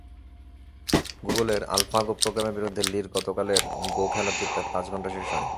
গুগলের আলফাগো প্রোগ্রামের বিরুদ্ধে লির গতকালের গো খেলাটি প্রায় পাঁচ ঘণ্টায় শেষ হয়।